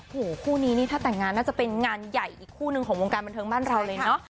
หูคู่นี้นี่ถ้าแต่งงานน่าจะเป็นงานใหญ่อีกคู่หนึ่งของวงการบันเทิงบ้านเราเลยเนอะ